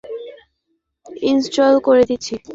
আমি তোমাকে ইনস্টল করে দিচ্ছি।